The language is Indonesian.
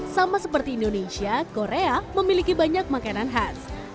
sama seperti indonesia korea memiliki banyak makanan khas